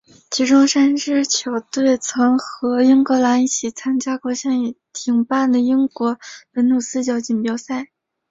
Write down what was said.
其中三支球队曾和英格兰一起参加过现在已停办的英国本土四角锦标赛。